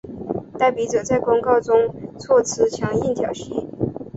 代笔者在公告中措辞强硬挑衅。